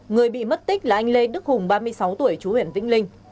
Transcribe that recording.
người bị mất tích là anh lê đức hùng ba mươi sáu tuổi chú huyện vĩnh linh